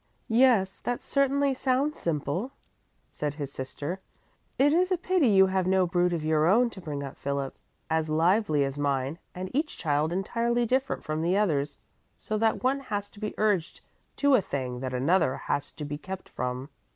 '" "Yes, that certainly sounds simple," said his sister. "It is a pity you have no brood of your own to bring up, Philip, as lively as mine, and each child entirely different from the others, so that one has to be urged to a thing that another has to be kept from.